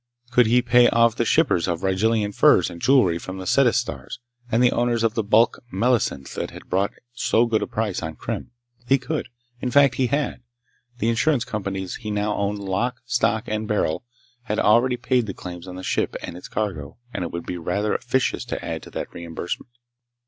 Could he pay off the shippers of Rigellian furs and jewelry from the Cetis stars, and the owners of the bulk melacynth that had brought so good a price on Krim? He could. In fact, he had. The insurance companies he now owned lock, stock, and barrel had already paid the claims on the ship and its cargo, and it would be rather officious to add to that reimbursement.